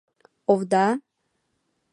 — Овда?